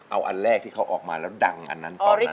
เอาอันแรกที่เขาออกมาแล้วดังอันนั้นตอนแรก